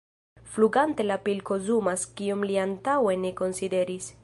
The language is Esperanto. Flugante la pilko zumas, kion li antaŭe ne konsideris.